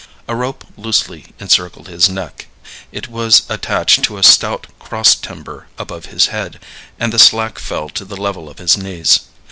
A rope loosely encircled his neck. It was attached to a stout cross timber above his head, and the slack fell to the level of his knees.